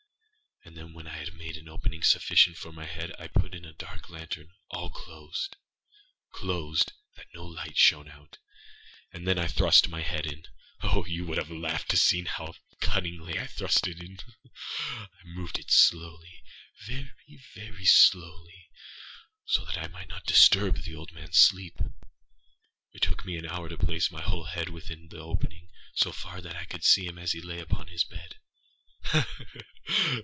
And then, when I had made an opening sufficient for my head, I put in a dark lantern, all closed, closed, that no light shone out, and then I thrust in my head. Oh, you would have laughed to see how cunningly I thrust it in! I moved it slowlyâvery, very slowly, so that I might not disturb the old manâs sleep. It took me an hour to place my whole head within the opening so far that I could see him as he lay upon his bed.